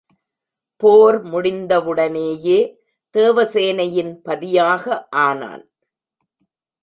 போர் முடிந்தவுடனேயே, தேவசேனையின் பதியாக ஆனான்.